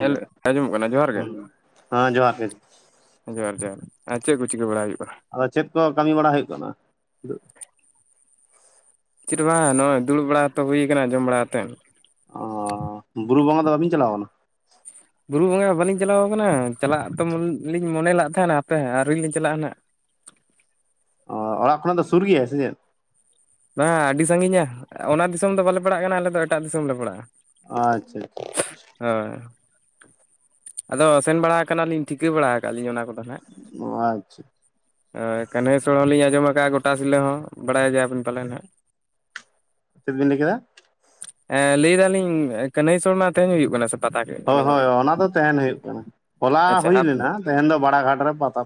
ᱦᱮᱞ ᱟᱸᱡᱚᱢᱚᱜ ᱠᱟᱱᱟ ᱡᱚᱦᱟᱨ ᱜᱮ ᱦᱮᱸ ᱾ ᱦᱮᱸ ᱡᱚᱦᱟᱨ ᱜᱮ ᱡᱚᱦᱟᱨ ᱡᱚᱦᱟᱨ ᱟᱨ ᱪᱮᱫ ᱠᱚ ᱪᱤᱠᱟᱹ ᱵᱟᱲᱟ ᱦᱩᱭᱩᱜ ᱠᱟᱱᱟ? ᱟᱫᱚ ᱪᱮᱫ ᱠᱚ ᱠᱟᱢᱤ ᱵᱟᱲᱟ ᱦᱩᱭᱩᱜ ᱠᱟᱱᱟ? ᱪᱮᱫ ᱦᱚ ᱵᱟᱝ ᱱᱚᱜᱼᱚᱭ ᱫᱩᱲᱩᱵ ᱵᱟᱲᱟ ᱛᱚ ᱦᱩᱭ ᱠᱟᱱᱟ ᱡᱚᱢ ᱵᱟᱲᱟ ᱠᱟᱛᱮᱫ ᱾ ᱚᱻ ᱵᱩᱨᱩ ᱵᱚᱸᱜᱟ ᱫᱚ ᱵᱟᱵᱤᱱ ᱪᱟᱞᱟᱣ ᱠᱟᱱᱟ? ᱵᱩᱨᱩ ᱵᱚᱸᱜᱟ ᱵᱟᱞᱤᱧ ᱪᱟᱞᱟᱣ ᱠᱟᱱᱟ ᱪᱟᱞᱟᱜ ᱛᱚ ᱞᱤᱧ ᱢᱚᱱᱮ ᱞᱟᱜ ᱛᱟᱦᱮᱱᱟ ᱦᱟᱯᱮ ᱟᱹᱣᱨᱤ ᱞᱤᱧ ᱪᱟᱞᱟᱜᱼᱟ ᱱᱟᱦᱟᱜ ᱾ ᱚᱻ ᱚᱲᱟᱜ ᱠᱷᱚᱱᱟᱜ ᱫᱚ ᱥᱩᱨ ᱜᱮᱭᱟ ᱥᱮ ᱪᱮᱫ? ᱵᱟᱝ-ᱟ ᱟᱰᱤ ᱥᱟᱺᱜᱤᱧᱟ ᱚᱱᱟ ᱫᱤᱥᱚᱢ ᱫᱚ ᱵᱟᱞᱮ ᱯᱟᱲᱟᱜ ᱠᱟᱱᱟ ᱟᱞᱮ ᱫᱚ ᱮᱴᱟᱜ ᱫᱤᱥᱚᱢ ᱞᱮ ᱯᱟᱲᱟᱜᱼᱟ ᱾ ᱟᱪᱪᱷᱟ ᱟᱪᱪᱷᱟ ᱟᱪᱷᱟ ᱾ ᱦᱳᱭ ᱾ ᱟᱫᱚ ᱥᱮᱱ ᱵᱟᱲᱟ ᱠᱟᱱᱟ ᱞᱤᱧ ᱴᱷᱤᱠᱟᱹ ᱵᱟᱲᱟ ᱠᱟᱜ-ᱟ ᱞᱤᱧ ᱚᱱᱟ ᱠᱚᱫᱚ ᱱᱟᱸᱦᱜ ᱾ ᱳ ᱟᱪᱪᱷᱟ ᱾ ᱦᱳᱭ ᱠᱟᱹᱱᱦᱟᱹᱭᱥᱨᱚ ᱦᱚᱸᱞᱤᱧ ᱟᱸᱡᱚᱢ ᱠᱟᱜᱼᱟ ᱜᱚᱴᱟ ᱥᱤᱞᱟᱹ ᱦᱚᱸ, ᱵᱟᱲᱟᱭ ᱜᱮᱭᱟ ᱵᱤᱱ ᱯᱟᱞᱮᱱ ᱦᱟᱜ? ᱪᱮᱫ ᱵᱤᱱ ᱞᱟᱹᱭ ᱠᱮᱫᱟ? ᱮᱸ ᱞᱟᱹᱭ ᱫᱟᱞᱤᱧ ᱠᱟᱹᱱᱟᱹᱭᱥᱚᱨ ᱢᱟ ᱛᱮᱦᱮᱧ ᱦᱩᱭᱩᱜ ᱠᱟᱱᱟ ᱥᱮ? ᱯᱟᱛᱟ ᱦᱳᱭ ᱮᱱᱮᱡ ᱢᱟ ᱦᱳᱭ ᱚᱱᱟ ᱫᱚ ᱛᱟᱦᱮᱱ ᱦᱩᱭᱩᱜ ᱠᱟᱱᱟ, ᱦᱚᱞᱟ ᱦᱩᱭ ᱟᱪᱪᱷᱟ ᱞᱮᱱᱟ ᱛᱮᱦᱮᱱ ᱫᱚ ᱵᱟᱲᱟ ᱜᱷᱟᱴ ᱨᱮ ᱯᱟᱛᱟ ᱾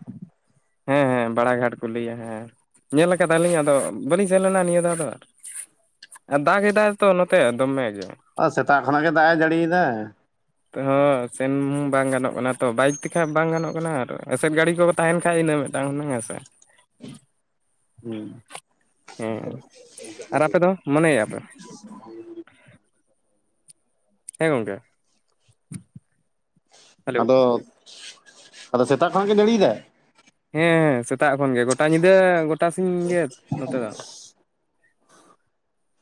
ᱦᱮᱸ ᱦᱮᱸ ᱵᱟᱲᱟ ᱜᱷᱟᱴ ᱠᱚ ᱞᱟᱹᱭᱟ ᱦᱮᱸ ᱾ ᱧᱮᱞ ᱠᱟᱫᱟᱞᱤᱧ ᱟᱫᱚ ᱵᱟᱹᱞᱤᱧ ᱥᱮᱱ ᱞᱮᱱᱟ ᱱᱤᱭᱟᱹ ᱫᱷᱟᱣ ᱫᱚ ᱟᱨ ᱾ ᱫᱟᱜ ᱮᱫᱟᱭ ᱛᱚ ᱱᱚᱛᱮ ᱫᱚᱢᱮ ᱜᱮ ᱾ ᱚ ᱥᱮᱛᱟᱜ ᱠᱷᱚᱱᱟᱜ ᱜᱮ ᱫᱟᱜ ᱮ ᱡᱟᱲᱤᱭ ᱫᱟ ᱾ ᱦᱚ ᱥᱮᱱ ᱵᱟᱝ ᱜᱟᱱᱚᱜ ᱠᱟᱱᱟ ᱛᱚ ᱵᱟᱭᱤᱠ ᱛᱮᱠᱷᱟᱱ ᱵᱟᱝ ᱜᱟᱱᱚᱜ ᱠᱟᱱᱟ ᱟᱨ ᱜᱟᱹᱲᱤ ᱠᱚ ᱠᱚ ᱛᱟᱦᱮᱱ ᱠᱷᱟᱱ ᱤᱱᱟᱹ ᱢᱤᱫᱴᱟᱝ ᱦᱩᱱᱟᱹᱝ ᱦᱮ ᱥᱮ ᱾ ᱦᱩᱸ ᱦᱮᱸ ᱟᱨ ᱟᱯᱮ ᱫᱚ ᱢᱚᱱᱮᱭᱟᱯᱮ ᱾ [inaudible] ᱦᱮᱸ ᱜᱚᱝᱠᱮ ᱾ ᱟᱫᱚ, ᱟᱫᱚ ᱥᱮᱛᱟᱜ ᱠᱷᱚᱱᱟᱜ ᱜᱮ ᱡᱟᱲᱤᱭ ᱫᱟᱭ? ᱦᱮᱸ ᱥᱮᱛᱟᱜ ᱠᱷᱚᱱ ᱜᱮ ᱜᱳᱴᱟ ᱧᱤᱫᱟᱹ ᱜᱳᱴᱟ ᱥᱤᱧ ᱜᱮ ᱱᱚᱛᱮ ᱫᱚ ᱾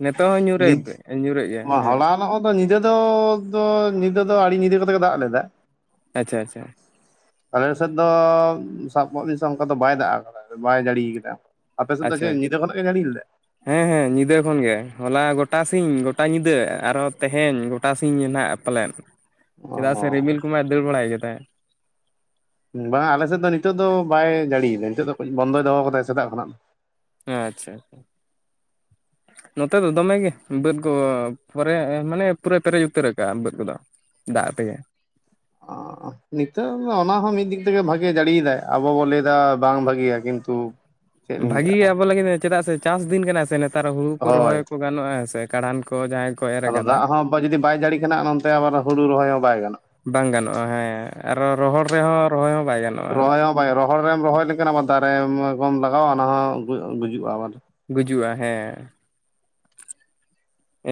ᱱᱤᱛᱚᱜ ᱦᱚᱸ ᱧᱩᱨᱮ ᱧᱩᱨᱮᱜ ᱜᱮᱭᱟᱭ ᱦᱮᱸ ᱾ ᱟᱫᱚ ᱧᱤᱫᱟᱹ ᱫᱚ ᱫᱚ ᱧᱤᱫᱟᱹ ᱫᱚ ᱟᱹᱲᱤ ᱧᱤᱫᱟᱹ ᱠᱟᱛᱮ ᱜᱮ ᱫᱟᱜ ᱞᱮᱫᱟ ᱾ ᱟᱪᱷᱟ ᱟᱪᱷᱟ ᱾ ᱟᱞᱮ ᱥᱮᱫ ᱫᱚ ᱥᱟᱵ ᱠᱟᱜ ᱵᱤᱱ ᱥᱮ ᱚᱱᱠᱟ ᱫᱚ ᱵᱟᱭ ᱫᱟᱜ ᱠᱟᱫᱟ ᱵᱟᱭ ᱡᱟᱲᱤᱭ ᱠᱟᱫᱟ ᱾ ᱟᱯᱮ ᱥᱮᱫ ᱫᱚ ᱪᱮ ᱟᱪᱪᱷᱟ ᱟᱪᱪᱷᱟ ᱧᱤᱫᱟᱹ ᱠᱷᱚᱱᱟᱜ ᱜᱮ ᱡᱟᱹᱲᱤ ᱞᱮᱫᱟᱭ? ᱦᱮᱸ ᱦᱮᱸ ᱦᱮᱸ ᱧᱤᱫᱟᱹ ᱠᱷᱚᱱᱜᱮ ᱦᱚᱞᱟ ᱜᱚᱴᱟ ᱥᱤᱧ ᱜᱚᱴᱟ ᱧᱤᱫᱟᱹ ᱟᱨᱦᱚᱸ ᱛᱮᱦᱮᱧ ᱜᱚᱴᱟ ᱥᱤᱧ ᱱᱟᱦᱜ ᱯᱟᱞᱮᱫ ᱾ ᱪᱮᱫᱟᱜ ᱥᱮ ᱚ ᱨᱢᱤᱞ ᱠᱚᱢᱟᱭ ᱫᱟᱹᱲ ᱵᱟᱲᱟᱭᱮᱜ ᱜᱮ ᱛᱟᱦᱮᱸᱫ ᱾ ᱵᱟᱝ-ᱟ ᱟᱞᱮ ᱥᱮᱫ ᱫᱚ ᱱᱤᱛᱚᱜ ᱫᱚ ᱵᱟᱭ ᱡᱟᱲᱤᱭᱫᱟ ᱱᱤᱛᱚᱜ ᱫᱚ ᱠᱟᱹᱡ ᱵᱚᱱᱫᱚᱭ ᱫᱚᱦᱚ ᱠᱟᱫᱟᱭ ᱥᱮᱛᱟᱜ ᱠᱷᱚᱱᱟᱜ ᱫᱚ ᱾ ᱟᱪᱪᱷᱟ ᱟᱪᱷᱟ ᱾ [unintelligible] ᱱᱚᱛᱮ ᱫᱚ ᱫᱚᱢᱮ ᱜᱮ ᱵᱟᱹᱫᱽ ᱠᱚ ᱯᱚᱨᱮ ᱢᱟᱱᱮ ᱯᱩᱨᱟᱹ ᱯᱮᱨᱮᱡ ᱩᱛᱟᱹᱨ ᱠᱟᱜᱼᱟ ᱵᱟᱹᱫᱽ ᱠᱚᱫᱚ ᱾ ᱫᱟᱜ ᱛᱮᱜᱮ ᱾ ᱚᱸ ᱾ ᱱᱤᱛᱚᱜ ᱚᱱᱟᱦᱚᱸ ᱢᱤᱫ ᱫᱤᱠ ᱛᱮᱜᱮ ᱵᱷᱟᱜᱮ ᱡᱟᱲᱤᱭ ᱫᱟᱭ ᱟᱵᱚ ᱵᱚᱱ ᱞᱟᱹᱭᱫᱟ ᱵᱟᱝ ᱵᱷᱟᱜᱮᱭᱟ ᱠᱤᱱᱛᱩ ᱪᱮᱫ ᱞᱤᱧ ᱵᱷᱟᱜᱤ ᱞᱟᱹᱭᱟ ᱜᱮ ᱟᱵᱚ ᱞᱟᱜᱤᱫ ᱪᱮᱫᱟᱜ ᱥᱮ ᱪᱟᱥ ᱫᱤᱱ ᱠᱟᱱᱟ ᱥᱮ ᱱᱮᱛᱟᱨ ᱦᱩᱲᱩ ᱠᱚ ᱦᱳᱭ ᱨᱚᱦᱚᱭ ᱠᱚ ᱵᱟᱱᱩᱜᱼᱟ ᱥᱮ ᱠᱟᱲᱟᱱ ᱠᱚ ᱡᱟᱦᱟᱸᱭ ᱠᱚ ᱮᱨ ᱟᱫᱚ ᱟᱠᱟᱫᱟ ᱫᱟᱜ ᱦᱚᱸ ᱡᱩᱫᱤ ᱵᱟᱭ ᱡᱟᱹᱲᱤ ᱠᱟᱱᱟ ᱟᱨ ᱚᱱᱛᱮ ᱦᱩᱲᱩ ᱨᱚᱦᱚᱭ ᱦᱚᱸ ᱵᱟᱭ ᱜᱟᱱᱚᱜᱼ ᱵᱟᱝ ᱜᱟᱱᱚᱜᱼᱟ। ᱦᱮᱸ ᱟᱨᱚ ᱨᱚᱦᱚᱲ ᱨᱮᱦᱚᱸ ᱨᱚᱦᱚᱭ ᱦᱚᱸ ᱵᱟᱭ ᱜᱟᱱᱚᱜ ᱨᱚᱦᱚᱭ ᱦᱚᱸ ᱵᱟᱭ ᱨᱚᱦᱚᱲ ᱨᱮᱢ ᱨᱚᱦᱚᱭ ᱞᱮᱱᱠᱷᱟᱱ ᱟᱵᱟᱨ ᱫᱟᱨᱮ ᱠᱚᱢ ᱞᱟᱜᱟᱣᱟ ᱚᱱᱟ ᱦᱚᱸ ᱜᱩᱡᱩᱜᱼᱟ [inaudible] ᱜᱩᱡᱩᱜᱼᱟ ᱾ ᱦᱮᱸ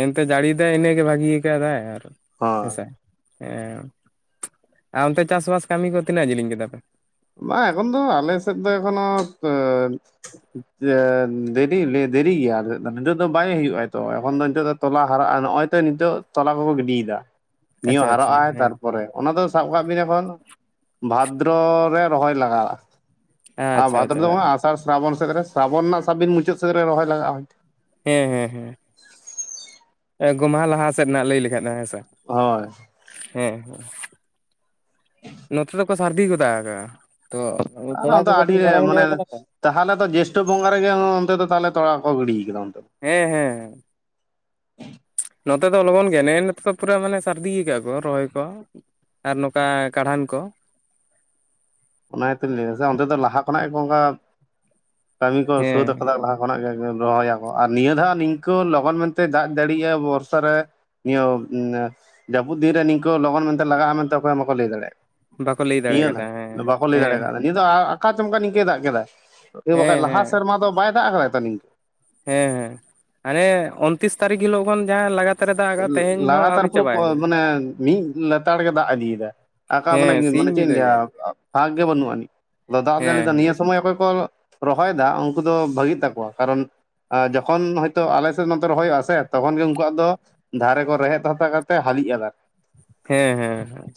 ᱮᱱᱛᱮ ᱡᱟᱹᱲᱤᱭᱤᱫᱟᱭ ᱤᱱᱟᱹᱜᱮ ᱵᱷᱟᱹᱜᱤ ᱭᱟᱠᱟᱫᱟᱭ ᱟᱨ ᱦᱳᱭ᱾ ᱦᱮᱸᱥᱮ ᱦᱮᱸ ᱟᱨ ᱚᱱᱛᱮ ᱪᱟᱥᱵᱟᱥ ᱠᱟᱹᱢᱤ ᱠᱚ ᱛᱤᱱᱟᱹᱜ ᱡᱤᱞᱤᱧ ᱠᱮᱫᱟ ᱯᱮ ᱾ ᱵᱟᱝ ᱮᱠᱷᱚᱱ ᱫᱚ ᱟᱞᱮ ᱥᱮᱫ ᱫᱚ ᱮᱠᱷᱚᱱᱳ ᱪᱮᱸ ᱫᱮᱨᱤ ᱫᱮᱨᱤ ᱜᱮᱭᱟ ᱱᱤᱛᱳᱜ ᱫᱚ ᱵᱟᱭ ᱦᱩᱭᱩᱜᱼᱟ ᱾ ᱛᱚ ᱮᱢᱚᱱ ᱫᱚ ᱱᱤᱛᱳᱜ ᱫᱚ ᱛᱚᱞᱟ ᱦᱟᱨᱟᱜᱼᱟ ᱱᱚᱜᱼᱚᱭ ᱛᱚ ᱱᱤᱛᱚᱜ ᱛᱚᱞᱟ ᱠᱚᱠᱚ ᱜᱤᱰᱤᱭᱮᱫᱟ ᱱᱤᱭᱟᱹ ᱟᱪᱪᱷᱟ ᱦᱟᱨᱟᱜ ᱟᱪᱪᱷᱟ ᱟᱭ ᱦᱮᱸ ᱛᱟᱨᱯᱚᱨᱮ ᱚᱱᱟ ᱫᱚ ᱥᱟᱵ ᱠᱟᱜ ᱵᱤᱱ ᱮᱠᱷᱚᱱ ᱵᱷᱟᱫᱨᱚ ᱨᱮ ᱨᱚᱦᱚᱭ ᱞᱟᱜᱟᱜᱼᱟ ᱾ ᱟᱨ ᱟᱪᱪᱷᱟ ᱵᱷᱟᱫᱨᱚ ᱟᱪᱪᱷᱟ ᱫᱚ ᱵᱟᱝᱼᱟ ᱟᱥᱟᱲ ᱥᱨᱟᱵᱚᱱ ᱥᱮᱫ ᱨᱮ ᱥᱨᱟᱵᱚᱱ ᱨᱮᱱᱟᱜ ᱥᱟᱵᱵᱤᱱ ᱢᱩᱪᱟᱹᱫ ᱥᱮᱫ ᱨᱮ ᱨᱚᱦᱚᱭ ᱞᱟᱜᱟᱜᱼᱟ᱾ ᱦᱮᱸ ᱦᱮᱸ ᱦᱮᱸ ᱜᱚᱢᱦᱟ ᱞᱟᱦᱟ ᱥᱮᱫ ᱨᱮᱱᱟᱜ ᱞᱟᱹᱭ ᱞᱮᱠᱷᱟᱡ ᱫᱚ ᱦᱮᱸ ᱥᱮ ᱚᱦᱚᱭ ᱦᱮᱸ ᱦᱮᱸ ᱱᱚᱛᱮ ᱫᱚᱠᱚ ᱥᱟᱹᱨᱫᱤ ᱜᱚᱫ ᱟᱠᱟᱜᱼᱟ ᱛᱚ [inaudible] ᱛᱚᱲᱟ ᱠᱚ ᱠᱟᱹᱴᱤᱡ ᱜᱚᱨᱟᱝ ᱧᱚᱜ ᱟᱠᱟᱱᱟᱛᱚ ᱛᱟᱦᱮᱞᱮ ᱛᱚ ᱡᱮᱥᱴᱟᱹ ᱵᱚᱸᱜᱟ ᱨᱮᱜᱮ ᱚᱱᱛᱮ ᱫᱚ ᱛᱟᱦᱚᱞᱮ ᱛᱚᱲᱟ ᱠᱚ ᱜᱤᱰᱤ ᱭᱟᱠᱟᱫᱟ ᱚᱱᱛᱮ ᱦᱮᱸ ᱦᱮᱸ ᱱᱚᱛᱮ ᱫᱚ ᱞᱚᱜᱚᱱ ᱜᱮ ᱱᱮᱼᱱᱤᱛ ᱛᱚ ᱯᱩᱨᱟᱹ ᱢᱟᱱᱮ ᱥᱟᱹᱨᱫᱤ ᱭᱟᱠᱟ ᱟᱠᱚ ᱨᱚᱦᱚᱭ ᱠᱚ ᱟᱨ ᱱᱚᱝᱠᱟ ᱠᱟᱬᱦᱟᱱ ᱠᱚ ᱚᱱᱟ ᱜᱮᱛᱚᱧ ᱞᱟᱹᱭ ᱫᱟ ᱥᱮ ᱚᱱᱛᱮ ᱫᱚ ᱞᱟᱦᱟ ᱠᱷᱚᱱᱟᱜ ᱜᱮᱠᱚ ᱚᱝᱠᱟ ᱠᱟᱹᱢᱤ ᱠᱚ ᱥᱟᱹᱛ ᱦᱮᱸ ᱟᱠᱟᱫᱟ ᱞᱟᱦᱟ ᱠᱷᱚᱱᱟᱜ ᱜᱮ ᱨᱚᱦᱚᱭᱟ ᱚ ᱟᱨ ᱱᱤᱭᱟᱹ ᱫᱷᱟ ᱱᱤᱝᱠᱟᱹ ᱞᱚᱜᱚᱱ ᱢᱮᱱᱛᱮ ᱫᱟᱜ ᱫᱟᱲᱤᱭᱟ ᱵᱚᱨᱥᱟ ᱨᱮ ᱱᱤᱭᱟᱹ ᱡᱟᱹᱯᱩᱫ ᱫᱤᱱᱨᱮ ᱱᱤᱝᱠᱟᱹ ᱞᱚᱜᱚᱱ ᱢᱮᱱᱛᱮ ᱞᱟᱜᱟᱜᱼᱟ ᱢᱮᱱᱛᱮ ᱚᱠᱚᱭ ᱵᱟᱠᱚ ᱞᱟᱹᱭ ᱫᱟᱲᱮᱭᱟᱜᱼᱟ᱾ ᱵᱟᱠᱚ ᱞᱟᱹᱭ ᱫᱟᱲᱮ ᱱᱤᱭᱟᱹ ᱭᱟᱠᱟᱫᱟ ᱦᱮᱸ ᱫᱷᱟᱣ ᱵᱟᱠᱚ ᱞᱟᱹᱭ ᱫᱟᱲᱮ ᱦᱮᱸ ᱣᱟᱠᱫᱟ ᱱᱤᱭᱟᱹ ᱫᱚ ᱟᱠᱟ ᱪᱚᱢᱠᱟ ᱱᱤᱝᱠᱟᱹ ᱫᱟᱜ ᱟᱠᱟᱫᱟ [inaudible] ᱦᱮᱸ ᱵᱟᱠᱷᱟᱡ ᱞᱟᱦᱟ ᱦᱮᱸ ᱥᱮᱨᱢᱟ ᱫᱚ ᱵᱟᱭ ᱫᱟᱜ ᱟᱠᱟᱫ ᱛᱚᱭ ᱱᱤᱝᱠᱟᱹ ᱦᱮᱸ ᱦᱮᱸ ᱦᱟᱱᱮ ᱩᱱᱛᱨᱤᱥ ᱛᱟᱨᱤᱠᱷ ᱦᱤᱞᱳ ᱠᱷᱚᱱ ᱡᱟᱦᱟᱸ ᱞᱟᱜ ᱞᱟᱜᱟᱛᱟᱨ ᱯᱩᱨᱟᱹ ᱢᱟᱱᱮ ᱢᱤᱫ ᱞᱮᱛᱟᱲ ᱜᱮ ᱫᱟᱜ ᱤᱫᱤᱭᱮᱫᱟ ᱟᱠᱟ ᱦᱮᱸ ᱜᱮ ᱥᱤᱧ ᱢᱟᱱᱮ ᱪᱤᱫ ᱧᱤᱫᱟᱹ ᱜᱮ ᱤᱧᱞᱟᱹᱭᱟ ᱵᱷᱟᱜ ᱜᱮ ᱵᱟᱹᱱᱩᱜ ᱟᱱᱤᱡ ᱫᱟᱜ ᱡᱟᱲᱤ ᱦᱮᱸ ᱫᱚ ᱦᱮᱸ ᱱᱤᱭᱟᱹ ᱥᱚᱢᱚᱭ ᱚᱠᱚᱭ ᱠᱚ ᱨᱚᱦᱚᱭ ᱫᱟ ᱩᱱᱠᱩ ᱫᱚ ᱵᱷᱟᱹᱜᱤᱜ ᱛᱟᱠᱚᱣᱟ ᱠᱟᱨᱚᱱ ᱟ ᱡᱚᱠᱷᱚᱱ ᱦᱳᱭᱛᱚ ᱟᱞᱮᱜ ᱱᱚᱛᱮ ᱨᱚᱦᱚᱭᱚᱜᱼᱟ᱾ ᱥᱮ ᱛᱚᱠᱷᱚᱱ ᱜᱮ ᱩᱱ ᱩᱱᱠᱩᱣᱟᱜ ᱫᱚ ᱫᱷᱟᱨᱮ ᱠᱚ ᱨᱮᱦᱮᱫ ᱛᱚᱛᱛᱟ ᱠᱟᱛᱮ ᱦᱟᱹᱞᱤᱜᱼᱟ ᱾ ᱫᱟᱨᱮ ᱦᱮᱸ ᱦᱮᱸ ᱦᱮᱸ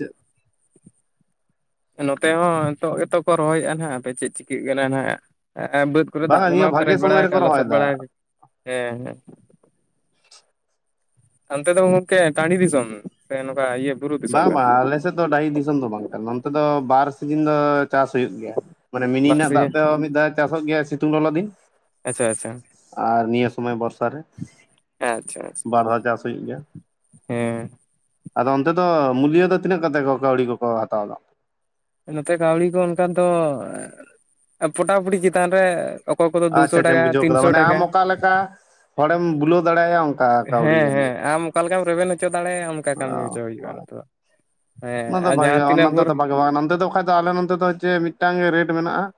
ᱱᱚᱛᱮ ᱦᱚᱸ ᱱᱤᱛᱚᱜ ᱜᱮᱛᱚ ᱠᱚ ᱨᱚᱦᱚᱭᱮᱜᱼᱟᱱ ᱟᱜ ᱦᱟᱯᱮ ᱪᱮᱫ ᱪᱤᱠᱟᱹᱜ ᱠᱟᱱᱟ ᱱᱟᱱᱼᱟᱜ ᱵᱟᱹᱫᱽ ᱠᱚᱨᱮ ᱫᱟᱜ ᱵᱟᱝᱟ ᱱᱤᱭᱟᱹ ᱠᱚᱢᱟ ᱵᱷᱟᱜᱮ ᱯᱮᱨᱮᱡ ᱵᱟᱲᱟ ᱥᱚᱢᱚᱭ ᱟᱠᱟᱱ ᱨᱮᱠᱚ ᱞᱚᱥᱚᱫ ᱵᱟᱲᱟ ᱨᱚᱦᱚᱭᱮᱫᱟ ᱦᱮᱸ ᱦᱮᱸ ᱚᱱᱛᱮ ᱫᱚ ᱜᱚᱢᱠᱮ ᱴᱟᱺᱰᱤ ᱫᱤᱥᱚᱢ ᱥᱮ ᱱᱚᱠᱟ ᱤᱭᱟᱹ ᱵᱩᱨᱩ ᱵᱟᱝ ᱫᱤᱥᱚᱢ ᱠᱟᱱᱟ ᱵᱟᱝ ᱟᱞᱮᱥᱮᱫ ᱫᱚ ᱰᱟᱹᱦᱤ ᱫᱤᱥᱚᱢ ᱫᱚ ᱵᱟᱝ ᱠᱟᱱᱟ ᱱᱚᱱᱛᱮ ᱫᱚ ᱵᱟᱨ ᱥᱤᱡᱤᱱ ᱫᱚ ᱪᱟᱥ ᱦᱩᱭᱩᱜ ᱜᱮᱭᱟ ᱢᱟᱱᱮ ᱢᱤᱱᱤ ᱨᱮᱱᱟᱜ ᱫᱟᱜ ᱵᱟᱨᱥᱤᱧ ᱛᱮ ᱢᱤᱫ ᱫᱷᱟᱣ ᱪᱟᱥᱚᱜ ᱜᱮᱭᱟ ᱥᱤᱛᱩᱝ ᱞᱚᱞᱚ ᱫᱤᱱ ᱟᱪᱪᱷᱟ ᱟᱪᱪᱷᱟ ᱟᱨ ᱱᱤᱭᱟᱹ ᱥᱚᱢᱚᱭ ᱵᱚᱨᱥᱟ ᱨᱮ ᱮᱸ ᱟᱪᱪᱷᱟ ᱟᱪᱪᱷᱟ ᱾ ᱵᱟᱨ ᱫᱷᱟ ᱪᱟᱥ ᱦᱩᱭᱩᱜ ᱜᱮᱭᱟ ᱾ ᱦᱮᱸ, ᱟᱫᱚ ᱚᱱᱛᱮ ᱫᱚ ᱢᱩᱞᱤᱭᱟᱹ ᱫᱚ ᱛᱤᱱᱟᱹᱜ ᱠᱟᱛᱮ ᱠᱚ ᱠᱟᱹᱣᱰᱤ ᱠᱚᱠᱚ ᱦᱟᱛᱟᱣ ᱫᱟ? ᱱᱚᱛᱮ ᱠᱟᱹᱣᱰᱤ ᱠᱚ ᱚᱱᱠᱟᱱ ᱫᱚ ᱯᱚᱴᱟᱯᱩᱴᱤ ᱪᱮᱛᱟᱱ ᱨᱮ ᱾ ᱟᱪᱷ ᱟᱪᱷᱟᱢ ᱵᱩᱡᱷᱟᱹᱣ ᱠᱟᱫᱟ ᱚᱱᱮ ᱟᱢ ᱚᱠᱟᱞᱮᱠᱟ ᱦᱚᱲᱮᱢ ᱵᱩᱞᱟᱹᱣ ᱫᱟᱲᱮᱟᱭᱟ ᱾ ᱦᱮᱸ ᱦᱮᱸ ᱟᱢ ᱚᱠᱟ ᱞᱮᱠᱟᱢ ᱨᱮᱵᱮᱱ ᱦᱚᱪᱚ ᱫᱟᱲᱮᱭᱟᱜᱼᱟ ᱾ ᱚᱱᱠᱟ ᱠᱟᱹᱢᱤ ᱦᱚᱪᱚ ᱦᱩᱭᱩᱜᱼᱟ ᱱᱤᱛᱚᱜ ᱾ ᱦᱮᱸ ᱟᱨ ᱡᱟᱦᱟᱸ ᱛᱤᱱᱟᱹᱜ ᱵᱚᱨᱼᱼ ᱱᱚᱣᱟ ᱱᱚᱱᱛᱮ ᱫᱚ ᱟᱠᱷᱟᱡ ᱫᱚ ᱟᱞᱮ ᱱᱚᱱᱛᱮ ᱫᱚ ᱪᱮ ᱢᱤᱫᱴᱟᱝ ᱜᱮ ᱨᱮᱴ ᱢᱮᱱᱟᱜ-ᱟ᱾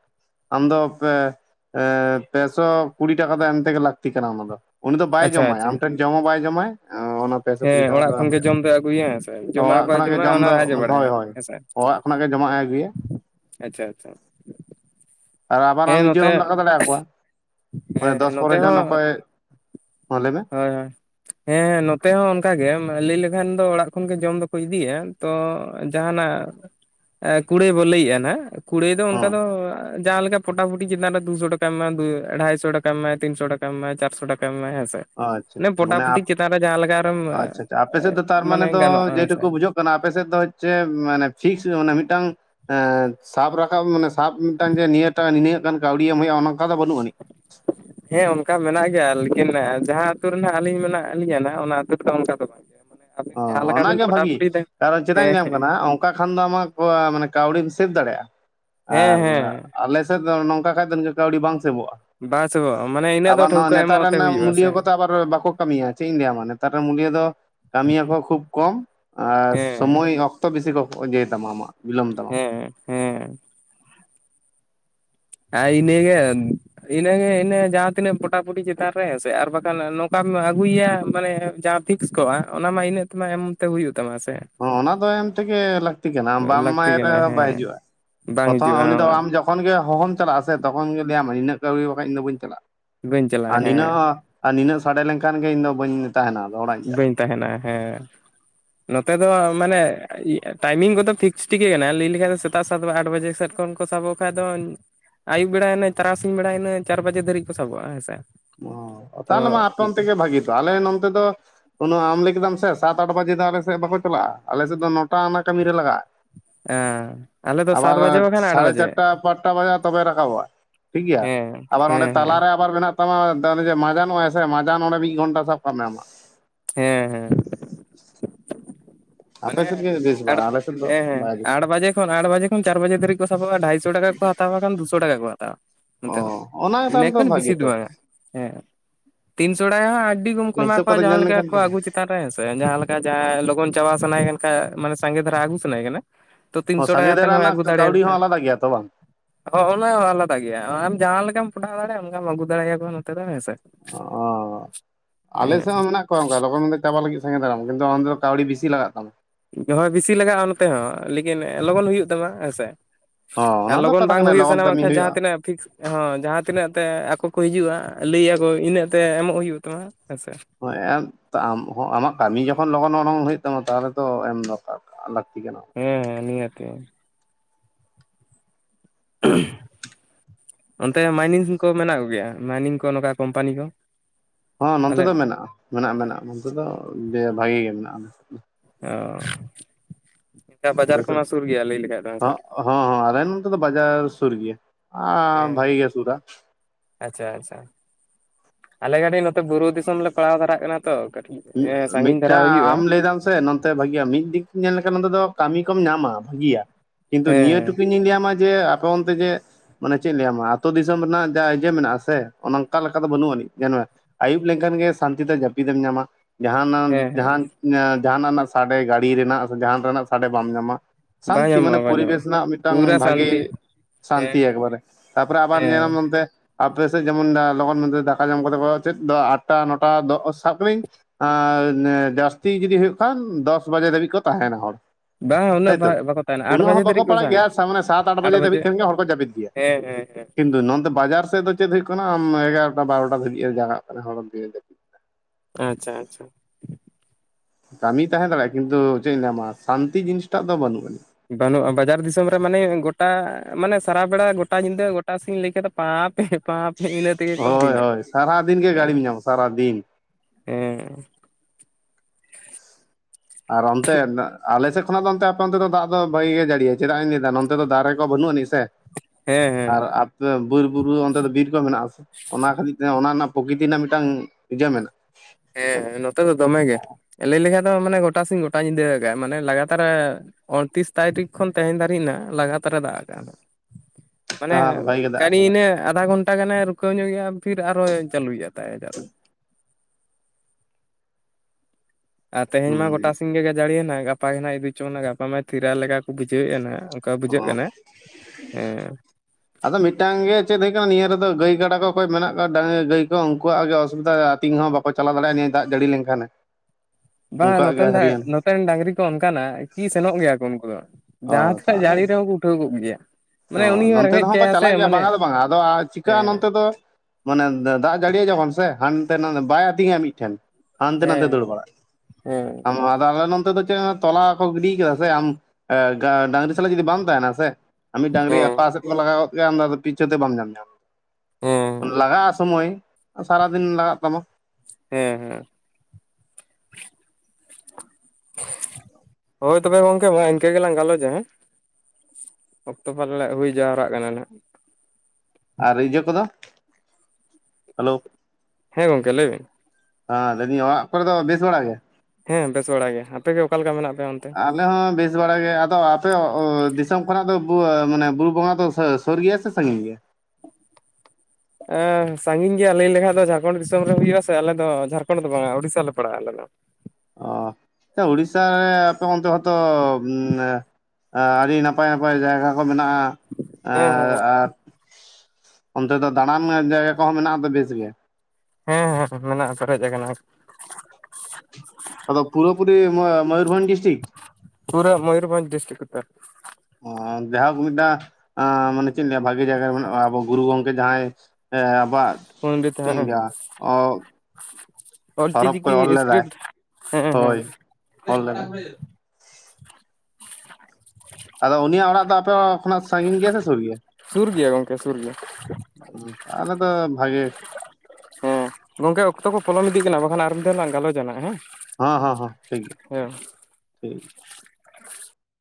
ᱟᱢ ᱫᱚ ᱯᱮ ᱮᱸ ᱯᱮᱥᱚ ᱠᱩᱲᱤ ᱴᱟᱠᱟ ᱫᱚ ᱮᱢ ᱛᱮᱜᱮ ᱞᱟᱹᱠᱛᱤ ᱠᱟᱱᱟ ᱚᱱᱟ ᱫᱚ᱾ ᱩᱱᱤ ᱫᱚ ᱵᱟᱭ ᱟᱪᱪᱷᱟ ᱡᱚᱢᱟᱭ ᱟᱪᱪᱷᱟ ᱟᱢ ᱴᱷᱮᱱ ᱡᱚᱢ ᱦᱚᱸ ᱵᱟᱭ ᱡᱚᱢᱟᱭ ‌ᱚᱸᱻ ᱚᱱᱟᱼᱼ ᱯᱮᱥᱚ ᱠᱩᱲᱤ ᱦᱮᱸ ᱴᱟᱠᱟ ᱫᱚ ᱚᱲᱟᱜ ᱮᱢ ᱠᱷᱚᱱ ᱜᱮ ᱦᱩᱭᱩᱜ-ᱟ ᱡᱚᱢ ᱫᱚᱭ ᱟᱹᱜᱩᱭᱟ ᱦᱮᱸ ᱥᱮ ᱡᱚᱢᱟᱭ ᱚᱲᱟᱜ ᱵᱟᱭ ᱠᱷᱚᱱᱟᱜ ᱜᱮᱼᱼ ᱡᱚᱢᱟ ᱡᱚᱢ ᱚᱱᱟ ᱫᱚ ᱟᱡ ᱮ ᱢᱚᱱ ᱦᱚᱭ ᱵᱟᱲᱟᱭᱟ ᱦᱚᱭ ᱦᱮᱸᱥᱮ ᱚᱲᱟᱜ ᱠᱷᱚᱱᱟᱜ ᱜᱮ ᱡᱚᱢᱟᱜ ᱮ ᱟᱹᱜᱩᱭᱟ᱾ ᱟᱪᱪᱷᱟ ᱟᱪᱪᱷᱟ ᱨᱟᱵᱟ ᱟᱢ ᱦᱮᱸ ᱱᱤᱡᱟᱹ ᱱᱚᱛᱮ ᱦᱚᱸᱢ ᱞᱟᱜᱟᱣ ᱫᱟᱲᱮ ᱟᱠᱚᱣᱟ᱾ ᱢᱟᱱᱮ ᱫᱚᱥ ᱦᱮᱸ ᱱᱚᱛᱮ ᱯᱚᱨᱚ ᱡᱚᱱ ᱦᱚᱸ ᱚᱠᱚᱭ ᱦᱚᱸ ᱞᱟᱹᱭ ᱢᱮ? ᱦᱳᱭ ᱦᱳᱭ ᱦᱮᱸ ᱱᱚᱛᱮ ᱦᱚᱸ ᱚᱱᱠᱟ ᱜᱮ ᱞᱟᱹᱭ ᱞᱮᱠᱷᱟᱱ ᱫᱚ ᱚᱲᱟᱜ ᱠᱷᱚᱱ ᱜᱮ ᱡᱚᱢ ᱫᱚᱠᱚ ᱤᱫᱤᱭᱟ ᱛᱚᱼᱼ ᱟ ᱡᱟᱦᱟᱸᱱᱟᱜ ᱮ ᱠᱩᱲᱟᱹᱭ ᱵᱚ ᱞᱟᱹᱭᱟ ᱱᱟᱦᱟᱸᱜ ᱠᱩᱲᱟᱹᱭ ᱫᱚ ᱚᱱᱠᱟ ᱦᱚᱸ ᱫᱚ ᱡᱟᱦᱟᱸ ᱞᱮᱠᱟᱼᱼ ᱯᱷᱚᱴᱟ ᱯᱷᱩᱴᱤ ᱪᱮᱛᱟᱱ ᱨᱮ ᱫᱩᱥᱚ ᱴᱟᱠᱟᱢ ᱢᱟᱭ ᱫᱩᱭ ᱟᱰᱷᱟᱭ ᱥᱚ ᱴᱟᱠᱟᱢ‌ ᱮᱢᱟᱭ ᱛᱤᱱ ᱥᱚ ᱴᱟᱠᱟᱢ ᱮᱢᱟᱭ ᱪᱟᱨᱥᱚ ᱴᱟᱠᱟᱢ‌ ᱮᱢᱟᱭ ᱦᱮᱸ ᱥᱮ᱾ ᱟᱪᱪᱷᱟ ᱢᱚᱱᱮ ᱟᱯ ᱟᱨᱮᱢ ᱟᱪᱪᱷᱟ ᱪᱷᱟ ᱟᱯᱮ ᱥᱮᱜ ᱫᱚ ᱢᱟᱱᱮ ᱛᱟᱨᱢᱟᱱᱮ ᱫᱚ ᱜᱟᱱᱚᱜᱼᱟ ᱡᱮ ᱦᱮᱸ ᱥᱮ ᱴᱩᱠᱩ ᱵᱩᱡᱩᱜᱼᱼ ᱠᱟᱱᱟ ᱟᱯᱮ ᱥᱮᱜ ᱫᱚ ᱦᱚᱪᱷᱮ ᱢᱟᱱᱮ ᱯᱷᱤᱠᱥ ᱚᱱᱮ ᱢᱤᱫᱴᱟᱝ ᱮᱸ ᱥᱟᱵ ᱨᱟᱠᱟᱵ ᱢᱟᱱᱮᱼᱼ ᱥᱟᱵ ᱢᱤᱫᱴᱟᱝ ᱡᱮ ᱱᱤᱭᱟᱹ ᱴᱟᱜ ᱱᱤᱱᱭᱟᱹᱜ ᱜᱟᱱ ᱠᱟᱹᱣᱰᱤ ᱮᱢ ᱦᱩᱭᱩᱜ-ᱟ ᱚᱱᱠᱟ ᱫᱚ ᱵᱟᱹᱱᱩᱜ ᱟᱹᱱᱤᱡ? ᱦᱮᱸ ᱚᱱᱠᱟ ᱢᱮᱱᱟᱜ ᱜᱮᱭᱟ ᱞᱮᱠᱤᱱ ᱮ ᱡᱟᱦᱟᱸ ᱟᱹᱛᱩ ᱨᱮᱱᱟᱜ ᱟᱹᱞᱤᱧ ᱢᱮᱱᱟᱜ ᱞᱤᱧᱟᱹ ᱱᱟ ᱚᱱᱟ ᱟᱹᱛᱩ ᱨᱮᱫᱚ ᱚᱱᱠᱟ ᱫᱚ ᱵᱟᱝ ᱾ ᱡᱟᱦᱟᱸ ᱞᱮᱠᱟ ᱵᱤᱱ ᱯᱚᱴᱟ ᱯᱩᱴᱤᱭ ᱫᱟᱼᱼ ᱠᱟᱨᱚ ᱪᱮᱫᱟᱜ ᱤᱧ ᱞᱟᱹᱭᱟᱢ ᱠᱟᱱᱟ ᱚᱝᱠᱟ ᱠᱷᱟᱱ ᱫᱚ ᱟᱢᱟᱜ ᱠᱚᱣᱟ ᱢᱟᱱᱮ ᱠᱟᱣᱰᱤᱢ ᱥᱮᱵᱷ ᱫᱟᱲᱮᱜ-ᱟ᱾ ᱦᱮᱸ ᱟᱨ ᱦᱮᱸ ᱟᱞᱮ ᱥᱮᱫ ᱫᱚ ᱱᱚᱝᱠᱟ ᱠᱷᱟᱡ ᱫᱚ ᱠᱟᱹᱣᱰᱤ ᱵᱟᱝ ᱥᱮᱵᱚᱜ-ᱟ᱾ ᱵᱟ ᱥᱮᱵᱚᱜ-ᱟ ᱢᱟᱱᱮᱼᱼ ᱟᱵᱟᱨ ᱱᱚᱣᱟ ᱱᱮᱛᱟᱨ ᱨᱮᱱᱮᱢ ᱢᱩᱞᱤᱭᱟᱹ ᱠᱚᱛᱮ ᱟᱵᱟᱨ ᱵᱟᱠᱚ ᱠᱟᱹᱢᱤᱭᱟ ᱪᱮᱜ ᱤᱧ ᱞᱟᱹᱭ ᱟᱢᱟ ᱱᱮᱛᱟᱨ ᱨᱮᱱ ᱢᱩᱞᱤᱭᱟᱹ ᱫᱚ᱾ ᱠᱟᱹᱢᱤ ᱭᱟᱠᱚ ᱠᱷᱩᱵ ᱠᱚᱢ ᱟᱨ ᱦᱮᱸ ᱥᱚᱢᱚᱭ ᱚᱠᱛᱚ ᱵᱮᱥᱤ ᱠᱚ ᱚᱡᱮᱭ ᱛᱟᱢᱟ ᱟᱢᱟᱜ᱾ ᱵᱤᱞᱚᱢ ᱛᱟᱢᱟ ᱦᱮᱸ ᱦᱮᱸ᱾ ᱟᱭ ᱤᱱᱮ ᱜᱮ᱾ ᱤᱱᱟᱹ ᱜᱮ ᱤᱱᱟᱹ ᱡᱟᱦᱟᱸ ᱛᱤᱱᱟᱹᱜ ᱯᱚᱴᱟ ᱯᱷᱩᱴᱤ ᱪᱮᱛᱟᱱ ᱨᱮ ᱥᱮ ᱟᱨ ᱵᱟᱠᱷᱟᱱ ᱱᱚᱝᱠᱟᱢ ᱟᱹᱜᱩᱭ ᱭᱟ ᱢᱟᱱᱮ ᱡᱟᱦᱟᱸᱼᱼ ᱯᱷᱤᱠᱥ ᱠᱚᱜ-ᱟ ᱚᱱᱟ ᱢᱟ ᱤᱱᱟᱹᱜ ᱛᱮᱢᱟ ᱮᱢᱛᱮ ᱦᱩᱭᱩᱜ ᱛᱟᱢᱟ ᱥᱮ᱾ ᱦᱚᱸ ᱚᱱᱟ ᱫᱚ ᱮᱢ ᱛᱮᱜᱮ ᱞᱟᱠᱛᱤ ᱠᱟᱱᱟ ᱵᱟᱢ ᱞᱟᱹᱠᱛᱤ ᱢᱟᱭ ᱠᱟᱱᱟ ᱨᱮᱦᱚᱸ ᱵᱟᱭ ᱦᱮᱸ ᱦᱤᱡᱩᱜ-ᱟ ᱵᱟᱝ [inaudible] ᱦᱤᱡᱩᱜᱼᱟ ᱩᱱᱤ ᱫᱚ ᱟᱢ ᱡᱚᱠᱷᱼᱼ ᱠᱷᱚᱱ ᱜᱮ ᱦᱚᱦᱚᱢ ᱪᱟᱞᱟᱜ-ᱟ ᱥᱮ ᱛᱚᱠᱷᱚᱱ ᱜᱮ ᱞᱟᱹᱭ ᱟᱢᱟᱭ ᱱᱤᱱᱟᱹᱜ ᱠᱟᱹᱣᱰᱤ ᱵᱟᱠᱷᱟᱡ ᱤᱧ ᱫᱚ ᱵᱟᱹᱧ ᱪᱟᱞᱟᱜ ᱵᱟᱹᱧ ᱟᱨ ᱪᱟᱞᱟᱜᱼᱟ ᱱᱤᱱᱟᱹᱜ ᱦᱮᱸ ᱦᱚᱸᱼᱼ ᱟᱨ ᱱᱤᱱᱟᱹᱜ ᱥᱟᱰᱮ ᱞᱮᱱᱠᱷᱟᱱ ᱜᱮ ᱤᱧ ᱫᱚ ᱵᱟᱹᱧ ᱛᱟᱦᱮᱱᱟ ᱟᱫᱚ ᱚᱲᱟᱜ ᱤᱧ ᱪᱟᱞᱟᱜ᱾ ᱛᱟᱦᱮᱸᱱᱟ ᱦᱮᱸ ᱱᱚᱛᱮ ᱫᱚ ᱢᱟᱱᱮ ‌ [inaudible] ᱴᱟᱭᱤᱢᱤᱝ ᱠᱚᱫᱚ ᱯᱷᱤᱠᱥ ᱴᱷᱤ ᱜᱮ ᱠᱟᱱᱟ ᱞᱟᱹᱭ ᱞᱮᱠᱷᱟᱱ ᱫᱚ ᱥᱮᱛᱟᱜ ᱥᱟᱛ ᱟᱴ ᱵᱟᱡᱮ ᱥᱮᱫ ᱠᱷᱚᱱ ᱠᱚ ᱥᱟᱵᱚᱜ ᱠᱷᱟᱡ ᱫᱚᱼᱼ ᱟᱹᱭᱩᱵ ᱵᱮᱲᱟ ᱤᱱᱟᱹᱜ ᱛᱟᱨᱟᱥᱤᱧ ᱵᱮᱲᱟ ᱤᱱᱟᱹᱜ ᱪᱟᱨ ᱵᱟᱡᱮ ᱫᱷᱟᱹᱨᱤᱡ ᱠᱚ ᱥᱟᱵᱚᱜ-ᱟ ᱦᱮᱸ ᱥᱮ᱾ ᱚ ᱛᱟᱞ ᱢᱟ ᱟᱯᱮ ᱚᱱᱛᱮ ᱜᱮ ᱵᱷᱟᱜᱮ ᱛᱚ ᱟᱞᱮ ᱱᱚᱱᱛᱮ ᱫᱚᱼᱼ ᱩᱱᱟᱹᱜ ᱟᱢ ᱞᱟᱹᱭ ᱠᱮᱫᱟᱢ ᱥᱮ ᱥᱟᱛ ᱟᱴ ᱵᱟᱡᱮ ᱫᱚ ᱟᱞᱮ ᱥᱮᱜ ᱵᱟᱠᱚ ᱪᱟᱞᱟᱜ-ᱟ, ᱟᱞᱮ ᱥᱮᱜ ᱫᱚ ᱱᱚᱴᱟ ᱚᱱᱟ ᱠᱟᱹᱢᱤ ᱨᱮ ᱞᱟᱜᱟᱜ-ᱟ᱾ ᱦᱮᱸ ᱟᱞᱮ ᱫᱚ ᱥᱟᱛ ᱵᱟᱡᱮ ᱟᱵᱟᱨ ᱵᱟᱠᱷᱟᱱ ᱟᱴ ᱥᱟᱲᱮ ᱵᱟᱡᱮ ᱪᱟᱨᱴᱟ ᱯᱟᱴᱴᱟ ᱵᱟᱡᱟᱜ ᱛᱚᱵᱮ ᱨᱟᱠᱟᱵᱚᱜ ᱟᱭ᱾ ᱴᱷᱤᱠ ᱜᱮᱭᱟ ᱦᱮᱸ ᱟᱵᱟᱨ ᱚᱸᱰᱮ ᱦᱮᱸ ᱛᱟᱞᱟ ᱦᱮᱸ ᱨᱮ ᱟᱵᱟᱨ ᱢᱮᱱᱟᱜᱼᱼ ᱛᱟᱢᱟ ᱫᱚ ᱚᱱᱮ ᱡᱮ ᱢᱟᱡᱟᱱᱚᱜᱼᱟᱭ ᱥᱮ ᱢᱟᱡᱟᱱ ᱚᱸᱰᱮ ᱢᱤᱫ ᱜᱷᱚᱱᱴᱟ ᱥᱟᱵ ᱠᱟᱜ ᱢᱮ ᱟᱢᱟᱜ᱾ ᱦᱮᱸ ᱦᱮᱸ᱾ ᱟᱯᱮ ᱢᱟᱱᱮ ᱥᱮᱫ ᱜᱮ ᱵᱮᱥ ᱟᱴ ᱵᱟᱲᱟ ᱟᱞᱮᱼᱼ ᱦᱮᱸ ᱦᱮᱸ ᱟᱲ ᱵᱟᱡᱮ ᱠᱷᱚᱱ ᱟᱴ ᱵᱟᱡᱮ ᱠᱷᱚᱱ ᱪᱟᱨ ᱵᱟᱡᱮ ᱫᱷᱟᱹᱨᱤᱡ ᱠᱚ ᱥᱟᱵᱚᱜ-ᱟ ᱰᱷᱟᱭᱥᱚ ᱴᱟᱠᱟ ᱠᱚ ᱦᱟᱛᱟᱣᱟ ᱵᱟᱠᱷᱟᱱ ᱫᱩᱥᱚ ᱴᱟᱠᱟ ᱠᱚᱣᱟ ᱛᱟᱣᱟ ᱚ ᱱᱚᱛᱮ ᱫᱚ ᱚᱱᱟ ᱤᱱᱟᱹ ᱛᱟᱦᱚᱞᱮ ᱠᱷᱚᱱ ᱵᱷᱟᱜᱮ ᱵᱤᱥᱤ ᱫᱚ ᱛᱚ ᱵᱟᱝᱟ ᱾ ᱦᱮᱸ ᱛᱤᱱᱥᱚ ᱴᱟᱠᱟ ᱦᱚᱸ‌ ᱟᱰᱤ ᱠᱚᱢ ᱠᱚ ᱮᱢᱟ ᱦᱤᱥᱟᱹᱵ ᱠᱚᱣᱟ, ᱠᱟᱛᱮ ᱡᱟᱦᱟᱸ ᱧᱮᱞ ᱞᱮᱠᱟ ᱞᱮᱠᱷᱟᱱ ᱠᱚ ᱫᱚ ᱟᱜᱩ ᱪᱮᱛ ᱛᱟᱱ ᱨᱮ ᱦᱮᱸ ᱥᱮ ᱡᱟᱦᱟᱸ ᱞᱮᱠᱟ ᱡᱟᱦᱟᱸ ᱞᱚᱜᱚᱱ ᱪᱟᱵᱟ ᱥᱟᱱᱟᱭᱮ ᱠᱟᱱ ᱠᱷᱟᱡ ᱢᱟᱱᱮ ᱥᱟᱸᱜᱮ ᱫᱷᱟᱨᱟ ᱟᱜᱩ ᱥᱟᱱᱟᱭᱮ ᱠᱟᱱᱟ ᱛᱚ ᱛᱤᱱᱥᱚ ᱴᱟᱠᱟ ᱥᱟᱸᱜᱮ ᱠᱟᱛᱮᱱ ᱫᱷᱟᱨᱟ ᱦᱚᱸᱭ ᱟᱜᱩ ᱨᱮᱱᱟᱜ ᱫᱟᱲᱮᱭᱟ ᱠᱚ ᱠᱟᱹᱣᱰᱤ ᱦᱚᱸ ᱠᱷᱟᱡ ᱾ ᱟᱞᱟᱫᱟ ᱜᱮᱭᱟ ᱛᱚ ᱵᱟᱝ ᱦᱚ ᱚᱱᱟ ᱦᱚᱸ ᱟᱞᱟᱫᱟ ᱜᱮᱭᱟ ᱟᱢ ᱡᱟᱦᱟᱸ ᱞᱮᱠᱟᱢ ᱯᱚᱴᱟᱣ ᱫᱟᱲᱮᱭᱟ ᱚᱱᱠᱟᱢ ᱟᱜᱩ ᱫᱟᱲᱮ ᱭᱟᱠᱚᱣᱟ ᱱᱚᱛᱮ ᱫᱚ ᱦᱮᱸ ᱥᱮ ᱾ ᱚᱻ ᱟᱞᱮ ᱥᱮᱜ ᱦᱚᱸ ᱢᱮᱱᱟᱜ ᱠᱚᱣᱟ ᱚᱱᱠᱟ ᱞᱚᱜᱚᱱ ᱜᱮ ᱪᱟᱵᱟ ᱞᱟᱹᱜᱤᱫ ᱥᱟᱸᱜᱮ ᱫᱟᱨᱟᱢ ᱠᱤᱱᱛᱩ ᱟᱢ ᱫᱚ ᱠᱟᱣᱰᱤ ᱵᱤᱥᱤ ᱞᱟᱜᱟᱜ ᱛᱟᱢᱟ ᱾ ᱦᱚᱭ ᱵᱤᱥᱤ ᱞᱟᱜᱟᱜ-ᱟ ᱱᱚᱛᱮ ᱦᱚᱸ ᱞᱮᱠᱤᱱ ᱮ ᱞᱚᱜᱚᱱ ᱦᱩᱭᱩᱜ ᱛᱟᱢᱟ ᱦᱮᱸ‌ᱥᱮ ᱾ ᱦᱚᱸ ᱟᱨ ᱚᱱᱟ ᱫᱚ ᱞᱚᱜᱚᱱ ᱠᱟᱛᱷᱟ ᱵᱟᱝ ᱠᱟᱱᱟ ᱦᱩᱭᱩᱜ ᱞᱚᱜᱚᱱ ᱥᱟᱱᱟᱢᱟ ᱠᱟᱹᱢᱤ ᱠᱷᱟᱡ ᱡᱟᱦᱟᱸ ᱦᱩᱭᱩᱜᱼᱟ ᱛᱤᱱᱟᱹᱜ ᱯᱷᱤᱠᱥ ᱮ ᱦᱚᱸ ᱡᱟᱦᱟᱸ ᱛᱤᱱᱟᱹᱜ ᱛᱮ ᱟᱠᱚ ᱠᱚ ᱦᱤᱡᱩᱜ-ᱟ ᱞᱟᱹᱭᱟ ᱠᱚ ᱤᱱᱟᱹᱜ ᱛᱮ ᱮᱢᱚᱜ ᱦᱩᱭᱩᱜ ᱛᱟᱢᱟ ᱦᱮᱸ ᱥᱮ ᱾ ᱦᱚᱸ ᱮᱢ ᱛᱚ ᱟᱢ ᱦᱚᱸ ᱟᱢᱟᱜ ᱠᱟᱢᱤ ᱡᱚᱠᱷᱚᱱ ᱞᱚᱜᱚᱱ ᱚᱱᱚᱝ ᱦᱩᱭᱩᱜ ᱛᱟᱢᱟ ᱛᱟᱦᱚᱞᱮ ᱛᱚ ᱮᱢ ᱫᱚᱨᱠᱟᱨ ᱠᱟ ᱞᱟᱹᱠᱛᱤ ᱠᱟᱱᱟ ᱾ ᱦᱮᱸ ᱦᱮᱸ ᱱᱤᱭᱟᱹᱛᱮ ᱾ [unintelligible] ᱚᱱᱛᱮ ᱢᱟᱭᱱᱤᱝ ᱥᱤᱢ ᱠᱚ ᱢᱮᱱᱟᱜ ᱠᱚᱜᱮᱭᱟ ᱢᱟᱭᱱᱤᱝ ᱠᱚ ᱱᱚᱝᱠᱟ ᱠᱳᱢᱯᱟᱱᱤ ᱠᱚ? ᱦᱚᱸ ᱱᱚᱱᱛᱮ ᱯᱟᱞᱮᱫ ᱫᱚ ᱢᱮᱱᱟᱜᱼᱟ ᱢᱮᱱᱟᱜᱼᱟ ᱢᱮᱱᱟᱜᱼᱟ ᱱᱚᱱᱛᱮ ᱫᱚ ᱫᱮ ᱵᱷᱟᱜᱤ ᱜᱮ ᱢᱮᱱᱟᱜᱼᱟ ᱾ ᱚ ᱚᱱᱠᱟ ᱟᱯᱮ ᱵᱟᱡᱟᱨ ᱥᱮᱫ ᱠᱚᱢᱟ ᱥᱩᱨ ᱜᱮᱭᱟ ᱞᱟᱹᱭ ᱞᱮᱠᱷᱟᱡ ᱫᱚ ᱦᱮᱸᱥᱮ ᱾ ᱦᱚᱸ ᱦᱚᱸ ᱟᱞᱮ ᱱᱚᱱᱛᱮ ᱫᱚ ᱵᱟᱡᱟᱨ ᱥᱩᱨ ᱜᱮᱭᱟ ᱟᱸ ᱦᱮᱸ ᱵᱷᱟᱜᱤ ᱜᱮ ᱥᱩᱨᱟ ᱾ ᱟᱪᱪᱷᱟ ᱟᱪᱪᱷᱟ ᱟᱞᱮ ᱠᱟᱴᱤᱡ ᱱᱚᱛᱮ ᱵᱩᱨᱩ ᱫᱤᱥᱚᱢ ᱞᱮ ᱯᱟᱲᱟᱣ ᱫᱷᱟᱨᱟᱜ ᱠᱟᱱᱟ ᱛᱮᱸ ᱥᱟᱺᱜᱤᱧ ᱫᱷᱟᱨᱟ ᱦᱩᱭᱩᱜᱼᱟ ᱾ ᱞᱟᱹᱭ ᱫᱟᱢ ᱥᱮ ᱵᱷᱟᱹᱜᱤᱭᱟ ᱢᱤᱫ ᱫᱤᱠ ᱧᱮᱞ ᱞᱮᱠᱷᱟᱱ ᱱᱚᱰᱮ ᱫᱚ ᱠᱟᱹᱢᱤ ᱠᱚᱢ ᱧᱟᱢᱟ ᱵᱷᱟᱹᱜᱤᱭᱟ ᱠᱤᱱᱛᱩ ᱱᱤᱭᱟᱹ ᱦᱮᱸ ᱴᱩᱠᱩᱧ ᱤᱧ ᱞᱟᱹᱭᱟᱢᱟ ᱡᱮ ᱟᱯᱮ ᱚᱱᱛᱮ ᱡᱮ ᱢᱟᱱᱮ ᱪᱮᱫ ᱞᱟᱹᱭᱟᱢᱟ ᱟᱛᱳ ᱫᱤᱥᱚᱢ ᱨᱮᱱᱟᱜ ᱡᱟ ᱤᱡᱟᱹ ᱢᱮᱱᱟᱜ ᱟᱥᱮ ᱚᱱᱠᱟ ᱞᱮᱠᱟ ᱫᱚ ᱵᱟᱹᱱᱩᱜ ᱟᱹᱱᱤᱡ ᱧᱮᱞ ᱢᱮ ᱾ ᱞᱮᱱᱠᱷᱟᱱ ᱜᱮ ᱥᱟᱱᱛᱤ ᱛᱮ ᱡᱟᱹᱯᱤᱫ ᱮᱢ ᱧᱟᱢᱟ, ᱦᱮᱸ ᱡᱟᱦᱟᱱᱟᱱ ᱦᱮᱸ ᱡᱟᱦᱟᱱ ᱡᱟᱦᱟᱱᱟᱜ ᱨᱮᱱᱟᱜ ᱥᱟᱰᱮ ᱜᱟᱹᱲᱤ ᱨᱮᱱᱟᱜ ᱥᱮ ᱡᱟᱦᱟᱸᱱ ᱨᱮᱱᱟᱜ ᱥᱟᱰᱮ ᱵᱟᱢ ᱧᱟᱢᱟ ᱾ ᱵᱟᱝ ᱥᱟᱱᱛᱤ ᱢᱟᱱᱮ ᱧᱟᱢᱚᱜᱼᱟ ᱵᱟᱝ ᱯᱚᱨᱤᱵᱮᱥ ᱧᱟᱢᱚᱜᱼᱟ ᱨᱮᱱᱟᱜ ᱯᱩᱨᱟᱹ ᱢᱤᱫᱴᱟᱝ ᱥᱟᱱᱛᱤ ᱵᱷᱟᱜᱮ ᱥᱟᱱᱛᱤ ᱦᱮᱸ ᱮᱠᱵᱟᱨᱮ ᱛᱯᱚᱨᱮ ᱟᱵᱟᱨ ᱦᱮᱸ ᱧᱮᱞᱟᱢ ᱱᱚᱱᱛᱮ ᱟᱯᱮ ᱥᱮᱫ ᱡᱮᱢᱚᱱ ᱞᱚᱜᱚᱱ ᱢᱮᱱᱛᱮ ᱫᱟᱠᱟ ᱡᱚᱢ ᱠᱟᱛᱮ ᱠᱚ ᱪᱮᱫ ᱫᱚ ᱟᱴᱴᱟ ᱱᱚᱴᱟ ᱫᱚ ᱥᱟᱵ ᱠᱟᱹᱫᱤᱧ ᱟᱸᱻ ᱡᱟᱹᱥᱛᱤ ᱡᱩᱫᱤ ᱦᱩᱭᱩᱜ ᱠᱷᱟᱱ ᱫᱚᱥ ᱵᱟᱡᱮ ᱫᱷᱟᱹᱵᱤᱡ ᱠᱚ ᱛᱟᱦᱮᱱᱟ ᱦᱚᱲ ᱾ ᱵᱟᱝ ᱩᱱᱟᱹᱜ ᱛᱟᱭᱛᱚ ᱵᱟᱠᱚ ᱛᱟᱦᱮᱱᱟ ᱟᱴ ᱩᱱᱟᱹᱜ ᱵᱟᱡᱮ ᱦᱚᱸ ᱵᱟᱠᱚ ᱫᱷᱟᱹᱨᱤᱡ ᱠᱚ ᱯᱟᱲᱟᱜ ᱛᱟᱦᱮᱱᱟ ᱜᱮᱭᱟ ᱢᱟᱱᱮ ᱥᱟᱛ ᱟᱴ ᱵᱟᱡᱮ ᱫᱷᱟᱹᱵᱤᱡ ᱠᱷᱟᱱ ᱜᱮ ᱦᱚᱲ ᱠᱚ ᱡᱟᱹᱯᱤᱫ ᱜᱮᱭᱟ ᱦᱮᱸ ᱦᱮᱸ ᱦᱮᱸ ᱾ ᱠᱤᱱᱛᱩ ᱱᱚᱛᱮ ᱵᱟᱡᱟᱨ ᱥᱮᱫ ᱫᱚ ᱪᱮᱫ ᱦᱩᱭᱩᱜ ᱠᱟᱱᱟ ᱟᱢ ᱮᱜᱟᱨᱚᱴᱟ ᱵᱟᱨᱚᱴᱟ ᱫᱷᱟᱹᱵᱤᱡ ᱮ ᱡᱟᱜᱟᱜ ᱠᱟᱱᱟ ᱦᱚᱲ [unintelligible] ᱾ ᱟᱪᱪᱷᱟ ᱟᱪᱪᱷᱟ ᱾ ᱠᱟᱹᱢᱤ ᱛᱟᱦᱮᱸ ᱫᱟᱲᱮᱭᱟᱜᱼᱟ ᱠᱤᱱᱛᱩ ᱪᱮᱫ ᱤᱧ ᱞᱟᱹᱭ ᱟᱢᱟ ᱥᱟᱱᱛᱤ ᱡᱤᱱᱤᱥᱴᱟᱜ ᱫᱚ ᱵᱟᱹᱱᱩᱜ ᱟᱹᱱᱤᱡ ᱾ ᱵᱟᱹᱱᱩᱜᱼᱟ ᱵᱟᱡᱟᱨ ᱫᱤᱥᱚᱢ ᱨᱮ ᱢᱟᱱᱮ ᱜᱚᱴᱟ ᱢᱟᱱᱮ ᱥᱟᱨᱟ ᱵᱮᱲᱟ ᱜᱚᱴᱟ ᱧᱤᱫᱟᱹ ᱜᱚᱴᱟ ᱥᱤᱧ ᱞᱟᱹᱭ ᱠᱮᱫᱟ ᱯᱟ ᱯᱮᱸ ᱯᱟᱸ ᱯᱮᱸ ᱤᱱᱟᱹ ᱛᱮᱜᱮ ᱠᱚ ᱦᱳᱭ ᱫᱤᱱᱟ ᱦᱳᱭ ᱥᱟᱨᱟᱫᱤᱱ ᱜᱮ ᱦᱮᱸ, ᱜᱟᱹᱲᱤᱢ ᱧᱟᱢᱟ ᱥᱟᱨᱟᱫᱤᱱ ᱦᱮᱸ ᱾ ᱟᱨ ᱚᱱᱛᱮ ᱟᱞᱮ ᱥᱮᱫ ᱠᱷᱚᱱᱟᱜ ᱫᱚ ᱚᱱᱛᱮ ᱟᱯᱮ ᱚᱱᱛᱮ ᱫᱚ ᱫᱟᱜ ᱫᱚ ᱵᱷᱟᱹᱜᱤ ᱜᱮ ᱡᱟᱹᱲᱤᱭᱟ ᱪᱮᱫᱟᱜ ᱤᱧ ᱞᱟᱹᱭ ᱫᱟ ᱱᱚᱱᱛᱮ ᱫᱚ ᱫᱟᱨᱮ ᱠᱚ ᱵᱟᱹᱱᱩᱜ ᱟᱹᱱᱤᱡ ᱥᱮ, ᱦᱮᱸ ᱟᱨ ᱵᱤᱨ ᱵᱩᱨᱩ ᱚᱱᱛᱮ ᱫᱚ ᱵᱤᱨ ᱠᱚ ᱢᱮᱱᱟᱜᱼᱟ ᱟᱥᱮ ᱚᱱᱟ ᱠᱷᱟᱹᱛᱤᱨ ᱛᱮ ᱚᱱᱟ ᱨᱮᱱᱟᱜ ᱯᱨᱚᱠᱤᱛᱤ ᱨᱮᱱᱟᱜ ᱢᱤᱫᱴᱟᱝ ᱤᱭᱟᱹ ᱢᱮᱱᱟᱜᱼᱟ ᱾ ᱦᱮᱸ ᱱᱚᱛᱮ ᱫᱚ ᱫᱚᱢᱮ ᱜᱮ ᱞᱟᱹᱭ ᱞᱮᱠᱷᱟᱡ ᱫᱚ ᱢᱟᱱᱮ ᱜᱚᱴᱟ ᱥᱤᱧ ᱜᱚᱴᱟ ᱧᱤᱫᱟᱹ ᱟᱠᱟᱫᱟᱭ ᱢᱟᱱᱮ ᱞᱟᱜᱟᱛᱟᱨ ᱩᱱᱛᱨᱤᱥ ᱛᱟᱹᱨᱤᱠᱷ ᱠᱷᱚᱱ ᱛᱮᱦᱮᱧ ᱫᱷᱟᱹᱨᱤᱡ ᱱᱟᱜ ᱞᱟᱜᱟᱛᱟᱨᱮ ᱫᱟᱜ ᱟᱠᱟᱫ ᱱᱟᱜ ᱾ [inaudible] ᱢᱟᱱᱮ ᱵᱷᱟᱜᱤ ᱜᱮ ᱫᱟᱜ ᱠᱟᱨᱤ ᱟᱠᱟᱫᱟ ᱤᱱᱟᱹᱜ ᱟᱫᱷᱟ ᱜᱷᱚᱱᱴᱟ ᱜᱟᱱ ᱮ ᱨᱩᱠᱟᱹᱣ ᱧᱚᱜᱼᱟ ᱯᱷᱤᱨ ᱟᱨᱦᱚᱸ ᱪᱟᱹᱞᱩᱭ ᱮᱜ-ᱟ ᱛᱟᱭ ᱫᱟᱜ ᱾ ᱟᱨ ᱛᱮᱦᱮᱧ ᱢᱟ ᱜᱚᱴᱟ ᱦᱩᱸ ᱥᱤᱝ ᱜᱮ ᱜᱮ ᱡᱟᱲᱤᱭ ᱮᱱᱟ ᱜᱟᱯᱟ ᱜᱮ ᱱᱟᱦᱟᱜ ᱤᱫᱤᱪᱚᱝ ᱱᱟᱜ ᱜᱟᱯᱟ ᱢᱟᱭ ᱛᱷᱤᱨᱟ ᱞᱮᱠᱟ ᱠᱚ ᱵᱩᱡᱷᱟᱹᱣ ᱮᱫᱟ ᱱᱟᱦᱟᱜ ᱾ ᱚᱱᱠᱟ ᱵᱩᱡᱷᱟᱹᱜ ᱚ ᱠᱟᱱᱟ ᱦᱮᱸ ᱟᱫᱚ ᱢᱤᱫᱴᱟᱝ ᱜᱮ ᱪᱮᱫ ᱦᱳᱭ ᱠᱟᱱᱟ ᱱᱤᱭᱟᱹ ᱨᱮᱫᱚ ᱜᱟᱹᱭ ᱜᱟᱰᱟ ᱠᱚᱠᱚ ᱢᱮᱱᱟᱜ ᱠᱚᱣᱟ ᱰᱟᱝ ᱜᱟᱹᱭ ᱠᱚ ᱩᱱᱠᱩᱣᱟᱜ ᱟᱜᱮ ᱚᱥᱩᱵᱤᱫᱟ ᱾ ᱴᱤᱝ ᱦᱚᱸ ᱵᱟᱠᱚ ᱪᱟᱞᱟᱣ ᱫᱟᱲᱮᱭᱟᱜᱼᱟ ᱱᱤᱭᱟᱹ ᱫᱟᱜ ᱡᱟᱹᱲᱤ ᱞᱮᱱᱠᱷᱟᱱᱮ ᱾ ᱵᱟᱝ ᱱᱚᱛᱮᱱ ᱫᱚ ᱦᱟᱸᱜ ᱱᱚ [unintelligible] ᱰᱟᱹᱟᱝᱨᱤ ᱠᱚ ᱚᱱᱠᱟᱱᱟᱜ ᱠᱤ ᱥᱮᱱᱚᱜ ᱜᱮᱭᱟ ᱠᱚ ᱩᱱᱠᱩ ᱫᱚ ᱡᱟᱦᱟᱸ ᱚ ᱛᱤᱱᱟᱹᱜ ᱡᱟᱹᱲᱤ ᱨᱮᱦᱚᱸ ᱠᱚ ᱩᱴᱷᱟᱹᱣ ᱠᱚᱜ ᱜᱮᱭᱟ ᱾ ᱦᱚᱸ ᱱᱚᱱᱛᱮ ᱫᱚᱦᱚ ᱠᱚ ᱪᱟᱞᱟᱜ ᱜᱮᱭᱟ ᱵᱟᱝᱼᱟ ᱫᱚ ᱵᱟᱝᱼᱟ ᱟᱫᱚ ᱪᱤᱠᱟᱹᱜᱼᱟ ᱦᱮᱸ ᱱᱚᱱᱛᱮ ᱫᱚ ᱢᱟᱱᱮ ᱫᱟᱜ ᱮ ᱡᱟᱹᱲᱤᱭᱟ ᱡᱮᱢᱚᱱ ᱥᱮ ᱦᱟᱱᱛᱮ ᱱᱟᱱᱛᱮ ᱵᱟᱭ ᱟᱹᱛᱤᱧᱟ ᱢᱤᱫᱴᱷᱮᱱ ᱾ ᱦᱟᱛᱮ ᱱᱟᱛᱮ ᱦᱮᱸ ᱫᱟᱹᱲᱟᱲᱟ ᱦᱮᱸ ᱦᱮᱸ ᱟ ᱟᱫᱚ ᱟᱞᱮ ᱱᱚᱱᱛᱮ ᱫᱚ ᱪᱮᱫ ᱛᱚᱞᱟ ᱠᱚ ᱜᱤᱰᱤᱭ ᱠᱟᱫᱟ ᱥᱮ ᱟᱢ ᱰᱟᱝᱨᱤ ᱥᱟᱞᱟᱜ ᱡᱩᱫᱤ ᱵᱟᱢ ᱛᱟᱦᱮᱱᱟ ᱥᱮ ᱟᱢᱤᱡ ᱰᱟᱝᱨᱤ ᱟᱠᱚᱥᱮᱫ ᱠᱚ ᱞᱟᱜᱟ ᱜᱚᱫ ᱠᱟᱭᱟ ᱟᱢ ᱫᱚ ᱟᱫᱚ ᱯᱤᱪᱷᱟᱹ ᱛᱮ ᱵᱟᱢ ᱧᱟᱢ ᱧᱟᱢᱮᱭᱟ ᱦᱮᱸ ᱾ ᱞᱟᱜᱟᱼᱟ ᱥᱚᱢᱚᱭ ᱥᱟᱨᱟᱫᱤᱱ ᱞᱟᱜᱟᱜ ᱛᱟᱢᱟ᱾ ᱦᱮᱸ ᱦᱮᱸ ᱦᱳᱭ ᱛᱚᱵᱮ ᱜᱚᱝᱠᱮ ᱢᱟ ᱤᱱᱠᱟᱹ ᱜᱮᱞᱟᱝ ᱜᱟᱞᱚᱪᱟ ᱦᱮᱸ᱾ ᱚᱠᱛᱚ ᱯᱟᱞᱮᱛ ᱦᱩᱭ ᱡᱟᱣᱨᱟᱜ ᱠᱟᱱᱟ ᱱᱟᱜ ᱾ ᱟᱨ ᱤᱭᱟᱹ ᱠᱚᱫᱚ ᱦᱮᱞᱳ ᱾ ᱦᱮᱸ ᱜᱚᱝᱠᱮ ᱞᱟᱹᱭᱵᱤᱱ᱾ ᱦᱮᱸ ᱞᱟᱹᱭ ᱫᱤᱧ ᱚᱲᱟᱜ ᱠᱚᱨᱮ ᱫᱚ ᱵᱮᱥ ᱵᱟᱲᱟ ᱜᱮ? ᱦᱮᱸ ᱵᱮᱥ ᱵᱟᱲᱟᱜ ᱜᱮ, ᱟᱯᱮ ᱜᱮ ᱚᱠᱟ ᱞᱮᱠᱟ ᱢᱮᱱᱟᱜ ᱯᱮᱭᱟ ᱚᱱᱛᱮ? ᱟᱞᱮ ᱦᱚᱸ ᱵᱮᱥ ᱵᱟᱲᱟ ᱜᱮ, ᱟᱫᱚ ᱟᱯᱮ [unintelligible] ᱫᱤᱥᱚᱢ ᱠᱷᱚᱱᱟᱜ ᱫᱚ ᱵᱩ ᱢᱟᱱᱮ ᱵᱩᱨᱩ ᱵᱚᱸᱜᱟ ᱫᱚ ᱥᱳᱨ ᱜᱮᱭᱟ ᱥᱮ ᱥᱟᱺᱜᱤᱧ ᱜᱮᱭᱟ? ᱮ ᱥᱟᱺᱜᱤᱧ ᱜᱮᱭᱟ ᱞᱟᱹᱭ ᱞᱮᱠᱷᱟᱡ ᱫᱚ ᱡᱷᱟᱲᱠᱷᱚᱸᱰ ᱫᱤᱥᱚᱢ ᱨᱮ ᱦᱩᱭᱩᱜᱼᱟ ᱥᱮ ᱟᱞᱮ ᱫᱚ ᱡᱷᱟᱲᱠᱷᱚᱸᱰ ᱫᱚ ᱵᱟᱝᱟ ᱩᱰᱤᱥᱥᱟ ᱞᱮ ᱯᱟᱲᱟᱜᱼᱟ ᱟᱞᱮ ᱫᱚ᱾ ᱚᱻᱩᱲᱤᱥᱟ ᱟᱯᱮ ᱚᱱᱛᱮ ᱦᱚᱸᱛᱚ ᱮᱸ ᱮ ᱟᱹᱰᱤ ᱱᱟᱯᱟᱭ ᱱᱟᱯᱟᱭ ᱡᱟᱭᱜᱟ ᱠᱚ ᱢᱮᱱᱟᱜᱼᱟ, ᱮ ᱦᱮᱸ ᱦᱮᱸ ᱟᱨ ᱚᱱᱛᱮ ᱫᱚ ᱫᱟᱬᱟᱱ ᱡᱟᱭᱜᱟ ᱠᱚᱦᱚᱸ ᱢᱮᱱᱟᱜᱼᱟ ᱛᱚ ᱵᱮᱥ ᱜᱮ ᱾ ᱦᱮᱸ ᱦᱮᱸ ᱢᱮᱱᱟᱜᱼᱟ ᱯᱮᱨᱮᱡ ᱠᱟᱱᱟ᱾ ᱟᱫᱚ ᱯᱩᱨᱟᱹᱯᱩᱨᱤ [inaudible] ᱢᱚᱭᱩᱨᱵᱷᱚᱸᱡᱽ ᱰᱤᱥᱴᱨᱤᱠᱴ᱾ ᱯᱩᱨᱟᱹ ᱢᱚᱭᱩᱨᱵᱷᱚᱸᱡᱽ ᱰᱤᱥᱴᱤᱠᱴ ᱩᱛᱟᱹᱨ ᱾ ᱚ ᱡᱟᱭᱦᱳᱠ ᱢᱤᱫᱴᱟᱝ ᱚᱸ ᱢᱟᱱᱮ ᱪᱮᱫ ᱤᱧ ᱞᱟᱹᱭᱟ ᱵᱷᱟᱹᱜᱤ ᱡᱟᱭᱜᱟ ᱨᱮ ᱢᱮᱱᱟᱜᱼᱟ ᱟᱵᱚ ᱜᱩᱨᱩ ᱜᱚᱝᱠᱮ ᱡᱟᱦᱟᱸᱭ ᱦᱮᱸ ᱟᱵᱟᱨ ᱯᱚᱱᱰᱤᱛ ᱪᱮᱫ ᱤᱧ ᱦᱮᱸ ᱞᱟᱹᱭᱟ ᱚ ᱦᱚᱨᱚᱯ ᱠᱚᱭ ᱚᱞᱪᱤᱠᱤ ᱚᱞ ᱞᱮᱫᱟᱭ, ᱥᱠᱨᱤᱯᱴ ᱦᱮᱸ ᱦᱮᱸ ᱦᱳᱭ ᱚᱞ ᱞᱮᱫᱟ ᱾ [unintelligible] ᱟᱫᱚ ᱩᱱᱤᱭᱟᱜ ᱚᱲᱟᱜ ᱫᱚ ᱟᱯᱮ ᱠᱷᱚᱱᱟᱜ ᱥᱟᱺᱜᱤᱧ ᱜᱮᱭᱟ ᱥᱮ ᱥᱩᱨ ᱜᱮᱭᱟ? ᱥᱩᱨ ᱜᱮᱭᱟ ᱜᱚᱝᱠᱮ ᱥᱩᱨ ᱜᱮᱭᱟ ᱛᱟᱦᱞᱮ ᱫᱚ ᱵᱷᱟᱜᱮ ᱦᱮᱸ ᱜᱚᱝᱠᱮ ᱚᱠᱛᱚ ᱠᱚ ᱯᱚᱞᱚᱢ ᱤᱫᱤ ᱠᱟᱱᱟ ᱵᱟᱠᱷᱟᱱ ᱟᱨ ᱢᱤᱫ ᱫᱷᱟᱣ ᱞᱟᱝ ᱜᱟᱞᱚᱪ ᱟ ᱱᱟᱜ ᱦᱮᱸ᱾ ᱦᱚᱸ ᱦᱚᱸ ᱦᱚᱸ ᱴᱷᱤᱠ ᱜᱮᱭᱟ, ᱦᱮᱸ ᱴᱷᱤᱠ ᱜᱮᱭᱟ ᱾